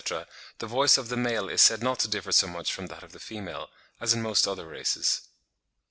the voice of the male is said not to differ so much from that of the female, as in most other races.